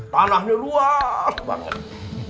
tanahnya luas banget